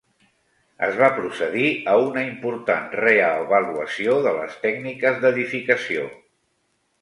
Es va procedir a una important reavaluació de les tècniques d'edificació.